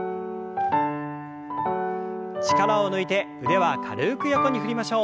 力を抜いて腕は軽く横に振りましょう。